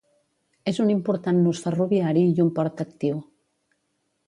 És un important nus ferroviari i un port actiu.